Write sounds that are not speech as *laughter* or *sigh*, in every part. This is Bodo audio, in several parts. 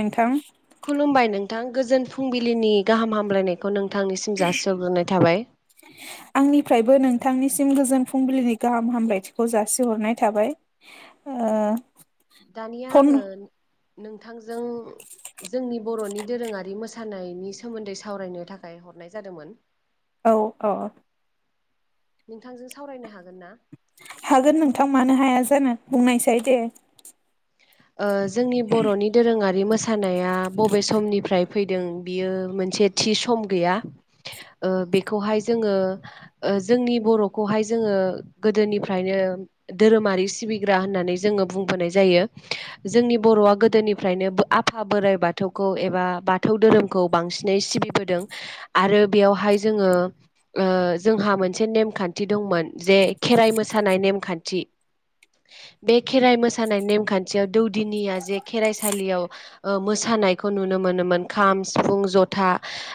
नोंथां खुलुमबाय नोंथां गोजोन फुंबिलिनि गाहाम हामलायनायखौ नोंथां नोंथांनिसिम जासिहरग्रोनाय थाबाय आंनिफ्रायबो नोंथांनिसिम गोजोन फुंबिलिनि गाहाम हामलायथिखौ जासिहरनाय थाबाय ओ दानिया फन आङो नोंथांजों जोंनि बर'नि दोरोङारि मोसानायनि सोमोन्दै सावरायनो थाखाय हरनाय जादोंमोन औ अ नोंथांजों सावरायनो हागोन ना? हागोन नोंथां मानो हाया जानो बुंनायसै दे ओ जोंनि बर'नि दोरोङारि मोस मोसानाया बबे समनिफ्राय फैदों बियो मोनसे थि सम गैया ओ बेखौहाय जोङो ओ जोंनि बर'खौहाय जोङो गोदोनिफ्रायनो धोरोमारि सिबिग्रा होननानै जोङो बुंबोनाय जायो जोंनि बर'आ गोदोनिफ्रायनो आफा बोराइ बाथौखौ एबा बाथौ धोरोमखौ बांसिनै सिबि बोदों आरो बेयावहाय जोङो ओ जोंहा मोनसे नेमखान्थि दंमोन जे खेराइ मोसानाय नेमखान्थि बे खेराइ मोसानाय नेमखान्थि थियाव दौदिनिया जे खेराइसालियाव ओ मोसानायखौ नुनो मोनोमोन खाम सिफुं जथ था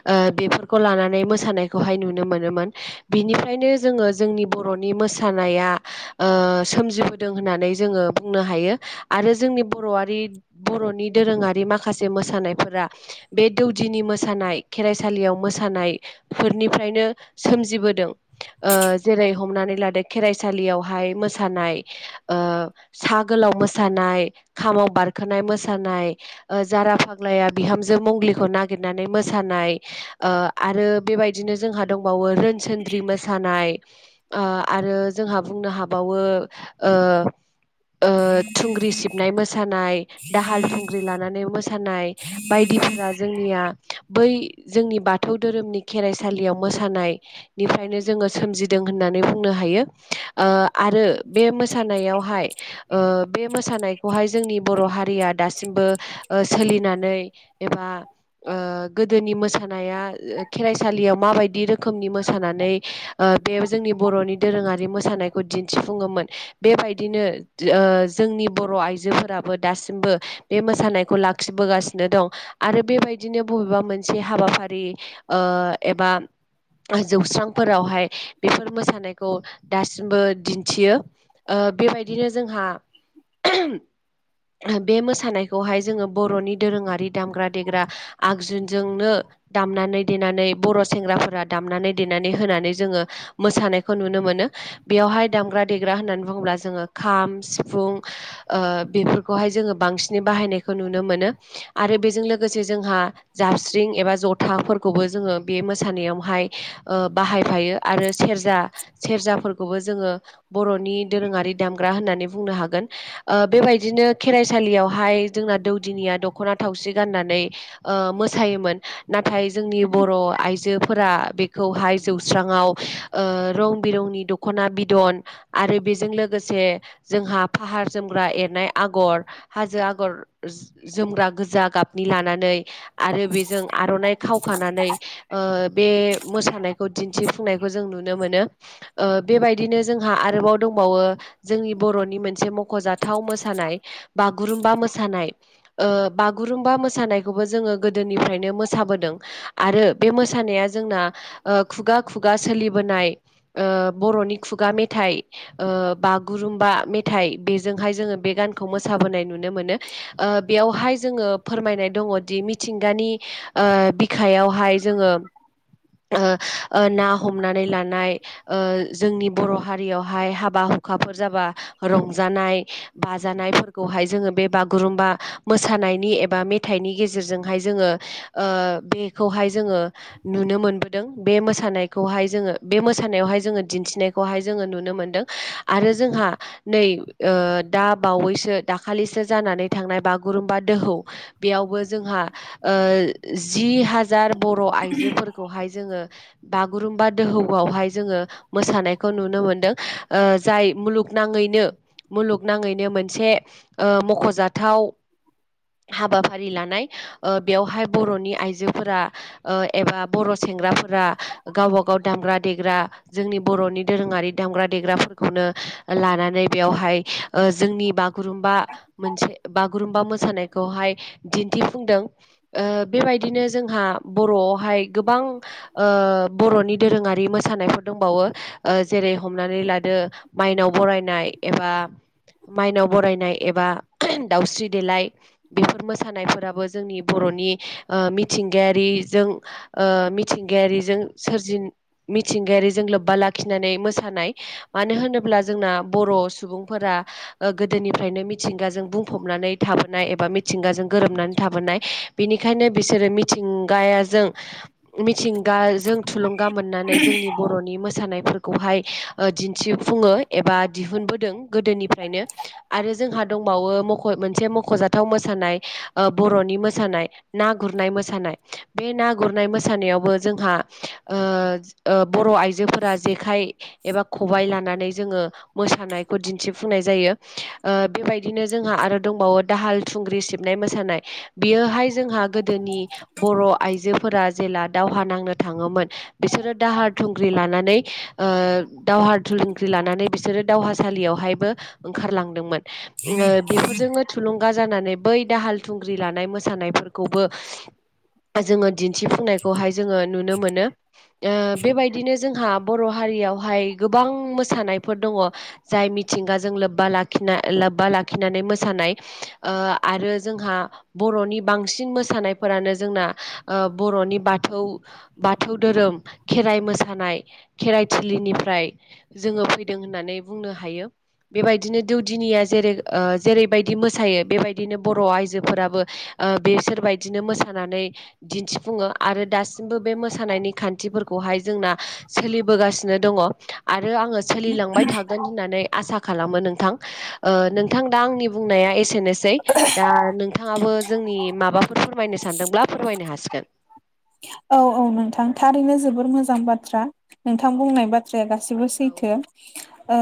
ओ बेफोरखौ लानानै मोसानायखौहाय नुनो मोनोमोन बिनिफ्रायनो जोङो जोंनि बर'नि मोसानाया सोमजिबोदों होननानै जोङो बुंनो हायो आरो जोंनि बर'आरि बर'नि दोरोङारि माखासे मोसानायफोरा बे दौदिनि मोसानाय खेराइसालियाव मोसानाय फोरनिफ्रायनो सोमजिबोदों ओ जेरै हमनानै लादो खेराइसालियावहाय मोसानाय ओ सा गोलाव मोसानाय मोसानाय खामाव बारखोनाय मोसानाय जारा फाग्लाया बिहामजो मंलिखौ नागिर नागिरनानै मोसानाय आरो बेबायनो जोंहा दं बावो रोनसोनद्रि मोसानाय ओ आरो जोंहा बुंनो हाबावो ओ ओ *inaudible* थुंग्रि सिबनाय मोसानाय, दाहाल थुंग्रि लानानै मोसानाय बायदिफोरा जोंनिया बै जोंनि बाथौ धोरोमनि खेराइसालियाव मोसानायनिफ्रायनो जोङो सोमजिदों जों होननानै बुंनो हायो आरो बे मोसानायावहाय बे मोसानायखौहाय जोंनि बर' हारिया दासिमबो सोलिनानै एबा गोदोनि मोसानाया खेराइसालियाव माबायदि रोखोमनि मोसानानै बे जोंनि बर'नि दोरोङारि मोसानायखौ दिन्थिफुङोमोन। बेबायदिनो जोंनि बर' आइजोफोराबो दासिमबो बे मोसानायखौ लाखिबोगासिनो दं आरो बेबायदि बिदिनो बबेबा मोनसे हाबाफारि एबा जौस्रांफोरावहाय बेफोर मोसानायखौ दासिमबो दिन्थियो बेबायदिनो जोंहा बे मोसानायखौहाय जोङो बर'नि दोरोङारि दामग्रा देग्रा आगजुजोंनो दामनानै देनानै बर' सेंग्राफोरा दामनानै देनानै होनानै जोङो मोसानायखौ नुनो मोनो मोनो बेयावहाय दामग्रा देग्रा होननानै बुङोब्ला जोङो खाम सिफुं बेफोरखौहाय जोङो बांसिनै बाहायनायखौ नुनो मोनो आरो बेजों लोगोसे जोंहा जाबस्रिं एबा जथाफोरखौबो जोङो बे मोसानायाव हाय बाहायफायो आरो सेरजा जा सेरजाफोरखौबो जोङो बर'नि दोरोङारि दामग्रा होननानै बुंनो हागोन। ओ बेबायदिनो खेराइसालियावहाय जोंना दौदिनिया दख'ना थावसि गाननानै नै ओ मोसायोमोन। नाथाय जोंनि बर' आइजोफोरा बेखौहाय जौ रांआव रं बिरंनि दख'ना बिदन आरो बेजों लोगोसे जोंहा फाहार जोमग्रा एरनाय आगर, हाजो आगर, जोम जोमग्रा गोजा गाबनि लानानै आरो बेजों आर'नाइ खावखानानै ओ बे मोसानायखौ दि दिन्थिफुंनायखौ जों नुनो मोनो। ओ बेबायदिनो जोंहा आरोबाव दंबावो जोंनि बर'नि मोनसे मख'जाथाव मोसानाय बागुरुम्बा मोसानाय, ओ बागुरुम्बा मोसानाय खौबो जोङो गोदोनिफ्रायनो मोसाबोदों। आरो बे मोसानाया जोंना खु खुगा खुगा सोलिबोनाय ओ बर'नि खुगा मेथाइ ओ बागुरुम बा मेथाइ। बेजोंहाय जोङो बे गानखौ मोसाबोनाय नुनो मोनो। ओ बेयावहाय जोङो फोरमायनाय दङदि मिथिंगानि ओ बिखायावहाय जोङो ओ ओ ना हमनानै लानाय। ओ जोंनि बर' हारियावहाय हाबा अखाफोर जाबा रंजानाय बाजानायफोरखौहाय जोङो बे बागुरुमबा मोसानायनि एबा मे मेथाइनि गेजेरजोंहाय जोङो ओ बेखौहाय जोङो नुनो मोनबोदों। बे मो मोसानायखौहाय जोङो बे मोसानायावहाय जोङो दिन्थिनायखौहाय जोङो नुनो मोनदों। आरो जोंहा नै ओ दा बावैसो दाखालिसो जानानै थांनाय बागुरुम्बा दोहौ बेयावबो जोंहा ओ जि हाजार बर' आइजोफोरखौहाय जोंओ बागुरुम्बा दोहौवआवहाय जोङो मोसानायखौ नुनो मोन्दों। ओ जाय मुलुग मुग नाङैनो मुलुगनाङैनो मोनसे मख'जाथाव हाबाफारि लानाय। ओ बेवहाय बर'नि आइजोफोरा ओ एबा बर' सुबुं सेंग्राफोरा गावब गाव दामग्रा देग्रा, जोंनि बर'नि दोरोङारि दामग्रा देग्राफोरखौनो लानानै बेयावहाय ओ जोंनि बागुरुमबा मोनसे, बागुरुम्बा मोसानायखौहाय थाइ दिन्थिफुंदों। ओ बेबायदिनो जोंहा बर'आवहाय गोबां ओ ओ बर'नि दोरोङारि मोसानायफोर दंबावो। ओ जेरै हमनानै लादो माइनाव बरायनाय एबा माइनाव बरायनाय एबा दाउस्रि देलाय बेफोर मोसानायफोराबो जोंनि बर'नि ओ मिथिंगायारि जों ओ मिथिंगायारिजों सोरजि मिथिंगायारिजों लोब्बा लाखिनानै मोसा नाय मानो होनोब्ला जोंना बर' सुबुंफोरा गोदोनिफ्रायनो बि मिथिंगाजों बुंफबनानै थाबोनाय एबा मिथिंगाजों गोरोबनानै थाबोनाय बिनिखायनो बिसोरो मिथिंगायाजों मिथिंगाजों थुलुंग गा मोननानै जोंनि बर'नि मोसानायफोरखौहाय दिन्थिफुङो। एबा दिहुनबोदों गोदोनिफ्रायनो आरो जोंहा दंबावो मोनसे मख'जाथाव मोसा मोसानाय ओ बर'नि मोसानाय, ना गुरनाय मोसानाय, बे ना गुरनाय मोसानायावबो जों जोंहा ओ ओ बर' आइजोफोरा जेखाय एबा खबबाय लानानै जोङो मोसानायखौ दिन्थिफुंनाय जायो ओ बेबायदिनो जोंहा आरो दंबावो दाहाल थुं खुंग्रि सिबनाय मोसानाय ‌। बियोहाय जोंहा गोदोनि बर' आइजोफोरा जेला दाव दावहा नांनो थाङोमोन। बिसोरो दाहार थुंख्रि लानानै ओ दावहा थुं साख्रि लानानै बिसोरो दावहासालियावहायबो ओंखारलांदोंमोन। बेफोरजोंनो थुुंलुंग थुलुंगा जानानै बै दाहाल थुंग्रि लानाय मोसानायफोरखौबो जोङो दिन्थिफुंनायखौहाय जोङो नुनो मोनो। ओ बेबायदिनो जोंहा बर' हारि हारिवावहाय गोबां मोस मोसानायफोर दङ। जाय मिथिंगाजों लोब्बा लाखिनाय लोब्बा लाखिनानै मोसानाय ओ ओ आरो जोंहा बर'नि बांसिन मोसानायफोरानो जोंना ओ बर'नि बाथौ। बाथौ, बाथौ धोरोम, खेराइ मोसानाय, खेराइ थिलिनिफ्राय जोङो फैदों होननानै बुंनो हायो। बेबायदिनो दौउदिनिया जेरै जेरैबायदि मोसायो बे बेबायदिनो बर' आइजोफोराबो ओ बेसोरबायदिनो मोसानानै दिन्थिफुङो। आ आरो दासिमबो बे मोसानायनि खान्थिफोरखौहाय जोंना सोलिबोगासिनो दङ। आरो आङो सोलिलांबाय थागोन होननानै आसा खालामो नोंथां ओ नोंथां दा आंनि बुंनाया एसेनोसै दा नोंथाङाबो जोंनि माबाफोर फोरमायनो सानदोंब्ला फोरमायनो हासिगोन औ औ नोंथां थारैनो जोबोर मोजां बाथ्रा नोंथां बुंनाय बाथ्रा गासिबो औ सैथो ओ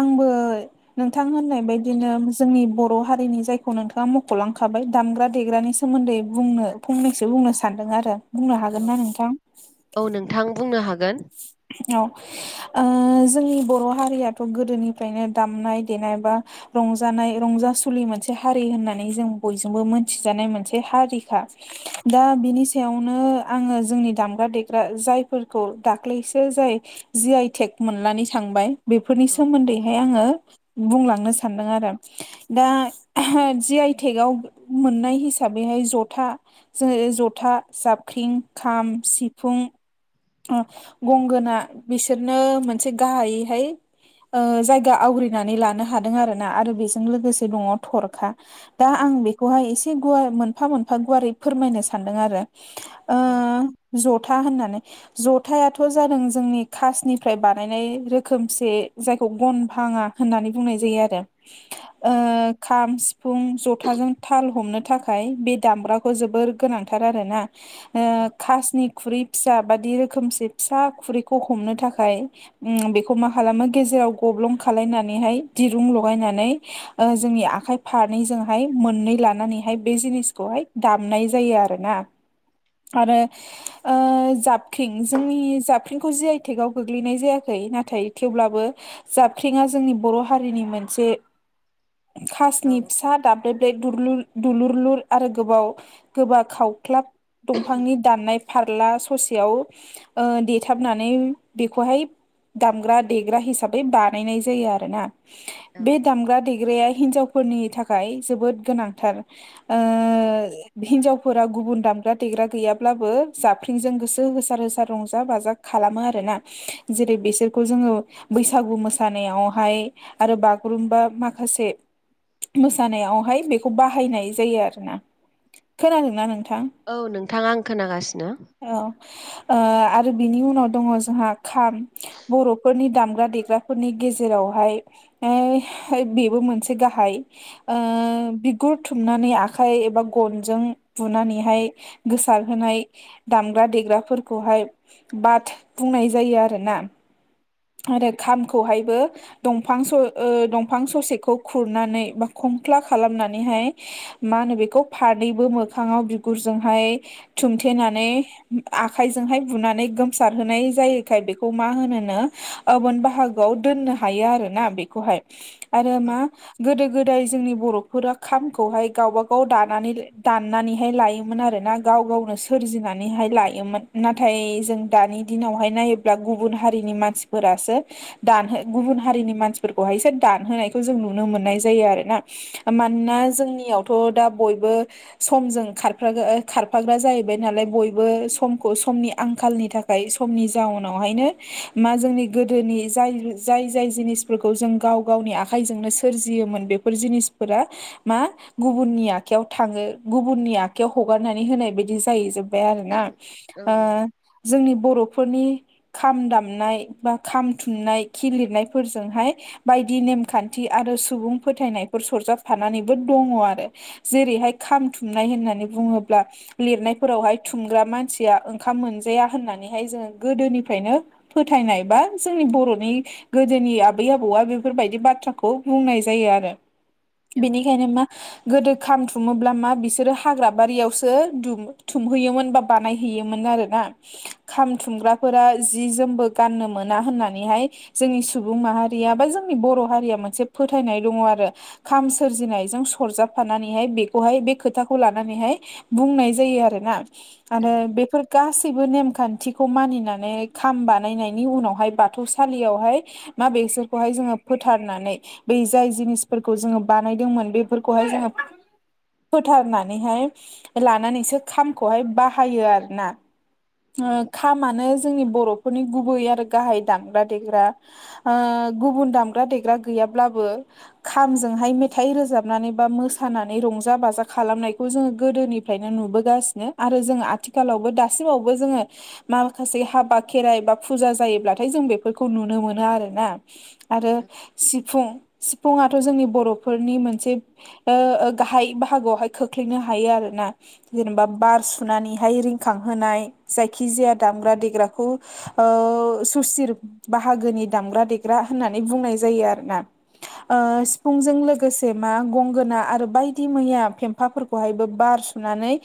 आंबो नोंथांनाय बेबायदिनो जोंनि बर' हारिनि जायखौ नोंथाङा मख'लांखाबाय दामग्रा देग्रानि सोमोन्दै बुंनो फंनैसो बुंनो सानदों आरो बुंनो हागोन ना नोंथां? औ नोंथां बुंनो हागोन। औ जोंनि ओ बर' हारियाथ' गोदोनिफ्रायनो दामनाय देनाय बा रंजानाय रंजासुलि मोनसे हारि होननानै जों बयजोंबो मोनथिजानाय मोनसे हारिखा दा बिनि सायावनो आङो जोंनि दामग्रा देग्रा जायफोरखौ द दाख्लैसो जाय जि आइ टेक मोननानै थांबाय बेफोरनि औ सोमोन्दैहाय आङो बुंलांनो सान्दों आरो दा जि आइटेक आव मोननाय हिसाबै बैहाय जथा ज जथा, जाबख्रिं, खाम, सिफुं गंगोना बिसोरनो मोनसे गाहायैहाय ओ जायगा आवग्रिनानै लानो हादों आरोना आरो बेजों लोगोसे दङ थरखा दा औ आं बेखौहाय एसे मोनफा मोनफा गुारै फोरमायनो सानदों आरो ओ औ जथा होननानै जथायाथ' जादों जोंनि खासनिफ्राय बानायनाय रोखोमसे जायखौ गनफाङा होननानै बुंनाय जायो आरो। ओ खाम सिफुं फुं ज'थाजों थाल हमनो थाखाय बे दामग्राखौ जोबोर गोनांथार आरो ना? ओ औ खासनि खुरै फिसा बायदि रोखोम खोमसे फिसा खुरैखौ हमनो थाखाय ओम बेखौ मा खालामो गेजेराव गब्लं खालायनानै बेहाय दिरुं लगायनानै ओ जोंनि ओ आखाय फारनैजोंहाय मोननै लानानैहाय *unintelligible* दामनाय जायो आरोनाआरो ओ जाब ख्रिं जोंनि जाबख्रिंखौ जि आइ थेकाव गोग्लैनाय जायाखै नाथाय थेवब्लाबो जाबख्रिंङा जोंनि बर' हारिनि मोनसे *inaudible* औ खासनि फिसा दाबदेबद्रे दुरलु दुलुरलुर आरो गोबाव गोबा खावख्लाब दंफांनि दाननाय फारला ससेयाव ओ देथाबनानै बेखौहाय दामग्रा देग्रा हिसाबै बानायनाय जायो आरोना औ बे दामग्रा देग्राया हिनजावफोरनि थाखाय जोबोद गोनांथार ओ हिनजावफोरा गुबुन दाब दामग्रा देग्रा गैयाबाबो जाबख्रिंजों गोसो होसार गोसार रसार रंजा बाजा खालामो आरोना जेरै बिसोरखौ जोङो बैसागु मोसानायाव बेवहाय आरो बागुरुम्बा माखासे मोसानायावहाय बेखौ बाहायनाय जायो आरो ना। खोनादोंना नों? थां औ नोंथाङा आं खोनागासिनो औ। ओ आरो बिनि उनाव दङ जोंहा खाम बर'फोरनि दामग्रा देग्राफोरनि गेजेरावहाय ओय बेबो मोनसे गाहाय ओ बिगुर थुमनानै आखाइ एबा गनजों बुनानैहाय गोसार होनाय दामग्रा-देग्राफोर खौहाय बाद बुंनाय जायो आरोना। आरो खामखौहायबो दंफां सं ओ दंफां ससेखौ खुरनानै बा खंख्ला खालामनानैहाय मा होनो बेखौ फानैैबो मोखाङाव बिगुरजोंहाय दुमथेनानै आ आखाइजोंहाय बुनानै गोमसारहोनाय जायोखाय बेखौ मा होनोनो ओबोन बाहागोआव दोन हायो आरोना बेखौहाय। आरो औ मा गोदो गोदाय जोंनि बर'फोरा खामखौहाय गावबा गाव दानानै दाननानैहाय लायोमोन आरोना गाव गाव गावनो सोरजिनानैहाय लायोमोन। नाथाय जों दानि दिनावहाय नायोब्ला गुबुन हारिनि मानसिफोरासो दानहो गुबुन गुबुन हारिनि मानसिफोरखौहायसो दानहोनायखौ जों नुनो मोननाय जायो आरोना। मानोना जोंनियावथ' बो दा बयबो समजों खाफाग्रा खाफाग्रा जाहैबाय नालाय बयबो समखौ समनि आंखालनि थाखाय समनि जाउनावहायनो मा जोंनि गोदोनि जायो जाय जाय जिनिफोरखौ जों गाव गावनि आखाइजोंनो सोरजियोमोन बेफोर जिनिसफोरा मा गुबुननि आखायाव थाङो गुबुननि आखाइायाव हगारनानै होनाय बायदि जायो बे आरोना। औ ओ जोंनि बर'फोरनि खाम दामनाय बा खाम थुननाय खि लिरनायफोरजोंहाय बायदि नेमखान्थि आरो सुबुं फोथायनायफोर सरजाबफानानैबो दङ आरो। जेरैहाय खामथुमनाय होननानै बुङोब्ला लिरनायफोरावहाय थुमग्रा मानसि या ओंखाम मोनजाया होननानैहाय जोङो गोदोनिफ्रायनो फोथायनाय बा जोंनि बर'नि गोदोनि आबै आबौआ बेफोरबायदि बाथ्राखौ बुंनाय जायो आरो। बेनिखायनो मा गोदो खाम थुमोब्ला मा बिसोरो हाग्रा बारियावसो दुम-थुमहैयोमोन बा बानायहैयोमोन आरोना खाम थुमग्राफोरा जि जोमबो गाननो मोना होननानैहाय जोंनि सुबुं माहारिया बा जोंनि बर' हारिया मोनसे फोथायनाय दङ आरो। खाम सोरजिनायजों सरजाबफानानैहाय बेखौहाय बे खोथाखौ लानानैहाय बुंनाय जायो आरोना। औ आरो बेफोर गासैबो नेम खान्थिखौ मानिनानै खाम बानायनायनि उनावहाय बाथौसालियावहाय मा बेसोरखौहाय जोङो फोथारनानै बै जाय जिनिस फोरखौ जोङो बानायदोंमोन बेफोरखौहाय जोङो फोथारनानैहाय लानानैसो खामखौहाय बाह बाहायो आरोना। औ ओ खामनो जोंनि बर'फोरनि गुबै आरो गाहाय दामग्रा देग्रा ओ‌ गुबुन दामग्रा देग्रा गैया ल्बाबो खामजोहाय मेथाइ रोजाबनानै बा मोसानानै रंजा बाजा खालामनायखौ जों गोदोनिफ्रायनो नुबोगासिनो, आरो जों आथिखालावबो दासिमावबो जोङो माखासे हाबा खेराइ बा फुजा जायोब्लाथाय जों बे बेफोरखौ नुनो मोनो आरोना, आरो सिफुं सिफुंआथ' जोंनि बर'फोरनि मोनसे ओ ओ गाहाय बाहागोआवहाय खोख्लैनो हायो आरो। ना जेनेबा बार सुनानैहाय रिंखांहोनाय जायखिजाया दामग्रा देग्राखौ ओ सुसिर बाहागोनि दामग्रा देग्रा होननानै बुंनाय जायो आरो ना। औ ओ सिफुंजों लोगोसे मा गंगोना आरो बायदि मैया फेम्फाफोरखौ हायबो बार सुनानै